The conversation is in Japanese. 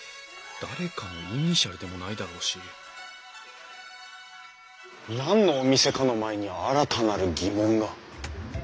誰かのイニシャルでもないだろうし何のお店かの前に新たなる疑問が。